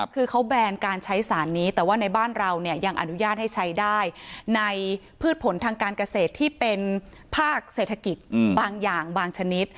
คือเขาแบนการใช้สารนี้แต่ว่าในบ้านเราเนี่ยยังอนุญาตให้ใช้ได้ในพืชผลทางการเกษตรที่เป็นภาคเศรษฐกิจบางอย่างบางชนิด